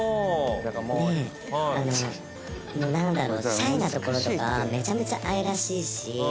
「でなんだろうシャイなところとかめちゃめちゃ愛らしいし」